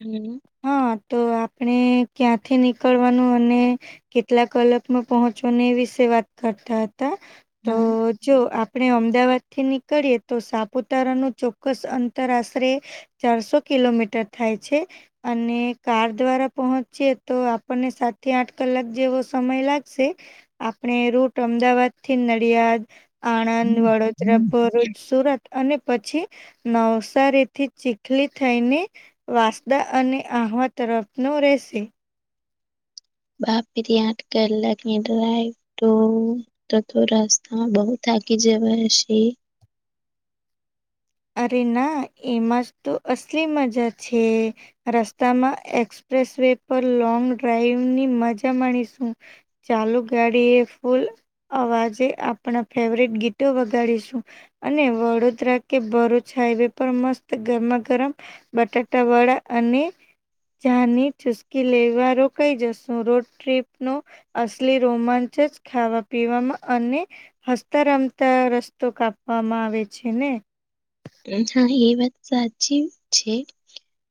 હમ્મ. હા તો આપણે ક્યાંથી નીકળવાનું અને કેટલા કલાકમાં પહોંચવાને એ વિશે વાત કરતા હતા. તો હા. જો આપણે અમદાવાદથી નીકળીએ તો સાપુતારાનું ચોક્કસ અંતર આશરે ચારસો કિલોમીટર થાય છે. અને કાર દ્વારા પહોંચીએ તો આપણને સાતથી આઠ કલાક જેવો સમય લાગશે. આપણે રૂટ અમદાવાદથી નડિયાદ, આણંદ, વડોદરા, ભરૂચ, સુરત. અને પછી નવસારીથી ચીખલી થઈને વાસદા અને આહવા તરફનો રહેશે. બાપરી આઠ કલાકની ડ્રાઈવ તો તો તો રાસ્તા બહુ થાકી જવા હશે. અરે ના એમાં તો અસલી મજા છે. રસ્તામાં એક્સપ્રેસ વે પર લોંગ ડ્રાઈવની મજા માણીશું. ચાલુ ગાડી એ ફૂલ અવાજે આપણા ફેવરેટ ગીતો વગાડીશું અને વડોદરા કે ભરૂચ હાઈવે પર મસ્ત ગરમા ગરમ બટાટા વડા અને ચાની ચુસકી લેવા રોકાઈ જશું રોડ ટ્રીપનો અસલી રોમાંચ જ ખાવા પીવામાં અને હસતા રમતા રસ્તો કાપવામાં આવે છે ને. અચ્છા એ વાત. સાચી છે.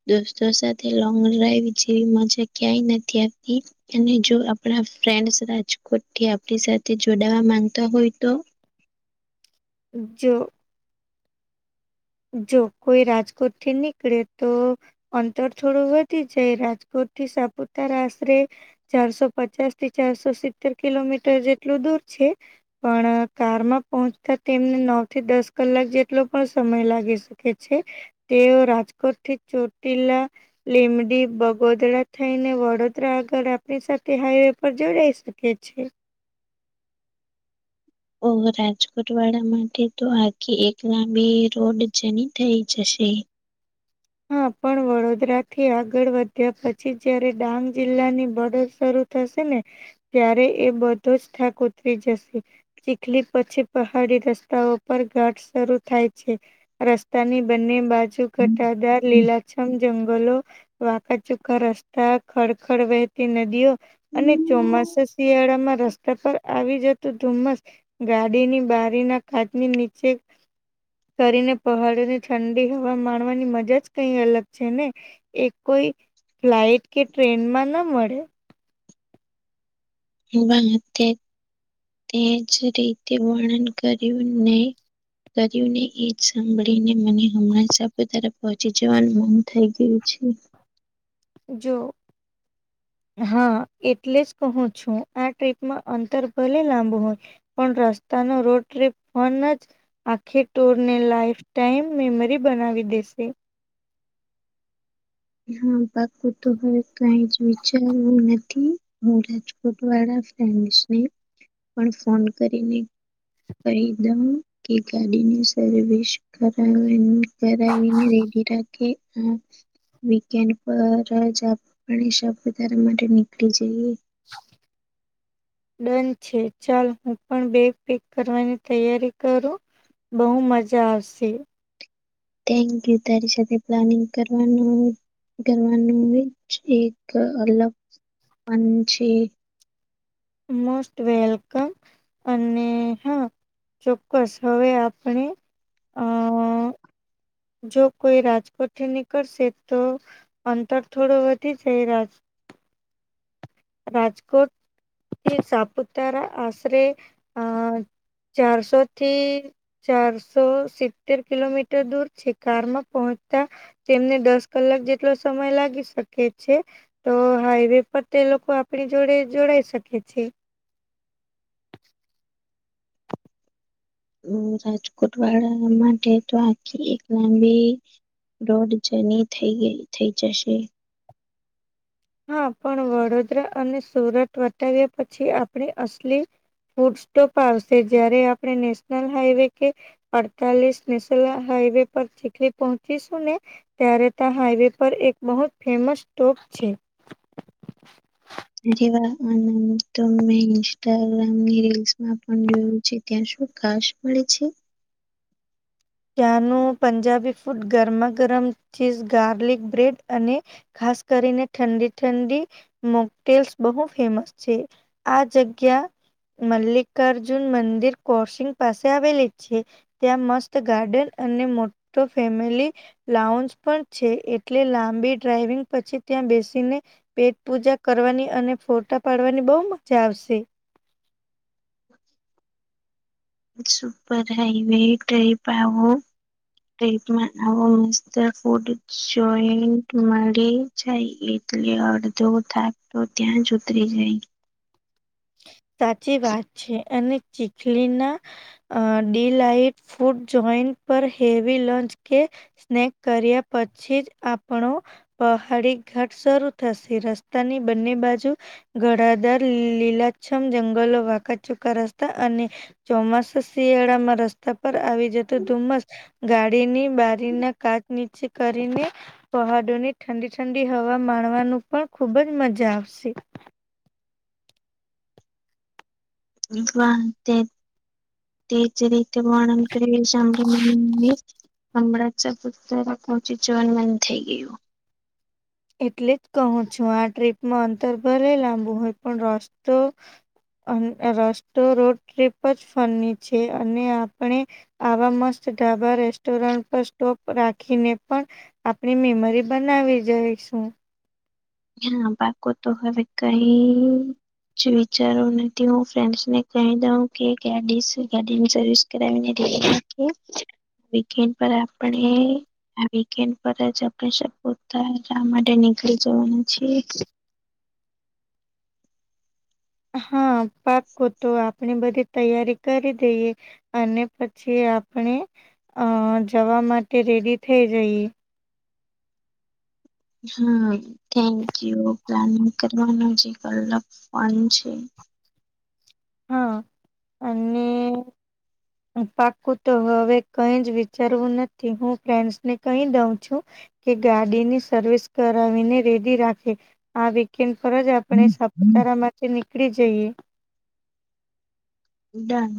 દોસ્તો સાથે લોંગ ડ્રાઈવ જેવી મજા ક્યાંય નથી આવતી. અને જો આપણા ફ્રેન્ડસ રાજકોટથી આપણી સાથે જોડાવા માંગતા હોય તો. જો. જો કોઈ રાજકોટ થી નીકળે તો.. અંતર થોડું વધી જાય. રાજકોટ થી સાપુતાર આશરે ચારસો પચાસ થી ચારસો સિત્તેર કિલોમીટર જેટલું દૂર છે. પણ કારમાં પહોંચતા તેમને નવ થી દસ કલાક જેટલો પણ સમય લાગે. આવી શકે છે તેઓ રાજકોટથી ચોટીલા લીમડી બગોદરા થઈને વડોદરા આગળ આપણી સાથે હાઈવે પર જોડાઈશુ. કે છે. ઓમ રાજકોટ વાળા માટે તો આખી એક લાંબી રોડ જેની થઇ જશે. હા, પણ વડોદરા થી આગળ વધ્યા પછી, જયારે ડાંગ જિલ્લાની બડદ શરૂ ત શેને. ત્યારે એ બધો જ થાક ઉતરી જશે. ચીખલી પછી પહાડી રસ્તાઓ પર ઘાટ શરૂ થાય છે. રસ્તાની બંને બાજુ ઘટાદાર લીલાછમ જંગલો વાકા ચુકા રસ્તાઓ ખડ-ખડ વહેતી નદીઓ અને ચોમાસા શિયાળામાં રસ્તા પર આવી જતું ધુમ્મસ ગાડીની બારીના કાચની નીચે તરીને પહાડોની ઠંડી હવા મા વાની મજા જ કઈ અલગ છે ને એ કોઈ ફ્લાઈટ કે ટ્રેનમાં ન મળે. તે જ રીતે વર્ણન કર્યું ને કર્યુંને એ જ સાંભળીને મને હમણાં સાપુતારા પહોંચી જવાનું મન થઈ ગયું છે. જો. હા. એટલે જ કહું છું. આ ટ્રીપમાં અંતર ભલે લાંબુ હોય પણ રસ્તાનો રોટ્રી પણ જ આખી ટૂર ને લાઈફ ટાઈમ મેમરી બનાવી દેશે. હા પાકું તો હવે, કઈ જ વિચારવું નથી. હું રાજકોટ વાળા ફ્રેન્ડસને પણ ફોન કરીને. કહી દઉ કે ગાડીની સર્વિસ કરાવેનું. ત્યારે આવીને રેડી રાખે. વીકેન્ડ પર જ આપણે સાપુતારા માટે નીકળી જઈએ. [inaudible] ડન છે. ચાલ હું પણ બેગ પેક કરવાની તૈયારી કરું. બહુ મજા આવશે. થેન્ક યુ તારી સાથે પ્લાનિંગ કરવાની ધનવાનોનું જ એક અલગ પન છે. Most welcome. અને હા ચોક્કસ. હવે આપણે અ [inaudible] જો કોઈ રાજકોટથી નીકળશે તો અંતર થોડું વધી જાય. રાજ રાજકોટ થી સાપુતારા આશરે અ ચારસોથી ચારસો સિત્તેર કિલોમીટર દૂર છે. કારમાં પહોંચતા તેમને દસ કલાક જેટલો સમય લાગી શકે છે. તો હાઈવે પર તે લોકોને આપણી જોડે, જોડઈ શકીએ છીએ. રાજકોટ વાળા માટે તો આટલી, એક લાંબી રોડ જની થઈ ગઈ, થઈ જશે. હા પણ વડોદરા અને સુરત વટાવ્યા પછી. આપણે અસલી ફૂડ સ્ટોપ આવશે. જયારે આપણે નેશનલ હાઈવે કે અડતાલીસ નેશનલ હાઈવે પર ચીખલી પહોંચીશું ને ત્યારે, ત્યાં હાઈવે પર એક બહુ જ ફેમસ સ્ટોપ છે. અરે વા અનંદ તો મેં ઇન્સ્ટાગ્રામની રીલ્સમાં પણ જોયું છે. ક્યાં શું ઘાસ મળે છે. ચ્યાનું પંજાબી ફૂડ ગરમા ગરમ ચીઝ ગાર્લિક બ્રેડ અને ખાસ કરીને ઠંડી ઠંડી મોગટેલ્સ બહુ ફેમસ છે. આ જગ્યા મલ્લિકાર્જુન મંદિર કોશિંગ પાસે આવેલ છે ત્યાં મસ્ત ગાર્ડન અને મોટો ફેમિલી લાઉન્ પણ છે એટલે લાંબી ડ્રાઈવિંગ પછી ત્યાં બેસીને પેટ પૂજા કરવાની અને ફોટા પાડવાની બહ મજા આવશે. સુપર હાઈવે ટહી પાવો ટપમાં આવો મત ફૂડ જોઈ માટે. જાય એટલે અડધો થાક તો ત્યાં જ ઉતરી જાય. સાચી વાત છે અને ચીખલી ના અ ડી લાટ ફૂડ જોઈન્ટ પર હેવી લંચ કે સ્નેક કર્યા પછી જ આપણો પહાડી ઘાટ શરૂ થશે રસ્તાની બંને બાજુ ગડાદાર લીલાછમ જંગલો વાખ ચુકા રસ્તા અને ચોમાસા શિયાળામાં રસ્તા પર આવી જતો ધુમસ ગાડીની બારીના કાચ નીચે કરીને. પહાડોની ઠંડી ઠંડી હવા માણવાનું પણ ખુબ જ મજા આવશે. વાહ તે તે જ રીતે વર્ણન કરી શંભાલ તે હમણાં જ પુત્ર પહોચી જવન મન થઈ ગયું. એટલે જ કહું છું આ ટ્રીપમાં અંતરભલે લાંબુ હોય પણ રસ્તો. રસ્તો રોડ ટ્રીપ જ ફરની છે અને આપણે. આવા મસ્ત ઢાબા રેસ્ટોરન્ટ પર સ્ટોપ રાખીને પણ. આપણી મેમરી બનાવી જાય શું. હા બાકો તો હવે કઈ વિચારવ નથી હું ફ્રેન્ડસ ને કહી દઉં કે ગ ગાડીની સર્સ. [unintelligible] એટલે આપણે. વીકેન્ડ પર જ આપણેતા માટે નીકળી જવાના છીએ. હા પાકો તો આપણે બધી તૈયારી કરી દઈએ. અને પછી આપણે અ જવા માટે રેડી થઇ જઈએ. હા થેન્કયુ પ્લાનિંગ કરવાનું જે અલગ ફોન છે. [inaudible] હે. પાકું તો હવે કઈ જ વિચારવું નથી હું ફ્રેડસ ને કઈ દઉં છું. કે ગાડીની સર્વિસ કરાવીને રેડી રાખે. આ વેકેન્ડ પર જ આપણે સાપુતારા માંથી નીકળી જઈએ. ડન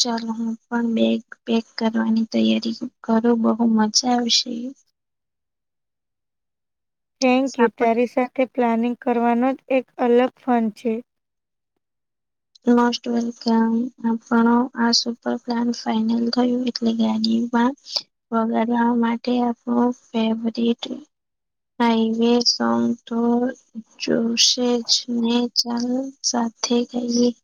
ચાલ હું પણ બે પેક કરવાની તૈયારી કરો બહુ મજા આવશે. થેન્ક યુ તારી સાથે પ્લાનિંગ કરવાનો જ એક અલગ ફન છે. મોસ્ટ વલકમ આપ આ પ્લાન ફન થયું એ. એ ગડીમાં વગડવા માટે આપણ ફેવરેટ હાઈવે સંગ તો જો જને ચાલ સાથે ગઈ.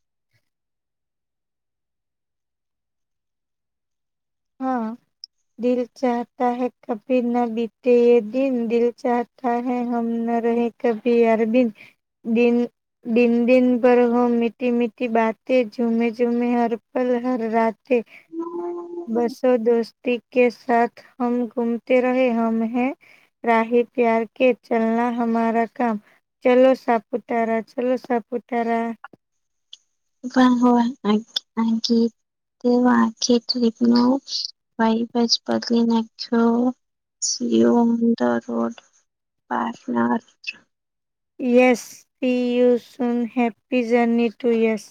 હા [inaudible] દિલ ચાહતા હૈ કભી ના બીતે એ દિન દીલ ચા હૈ હમ ના રહે કભી અયરબિન દિન દિન દિન ભર હો મીઠી મીઠી બાતે જુમે જુમે હર પલ હર રાતે. હમ. બસો દોસ્તી કે સાથ હમ ઘૂમતે રહે હમ હૈ. રાાહી પ્યાર કે ચલના હમારા કામ. ચલો સાપતારા ચલો સાપુતારા. વાહ [unintelligible] વા આી તે આખી ટ્રીપ નો વાઈબસ બદલી નાખ્યો. [unintelligible] Yes P U soon happy journey two yes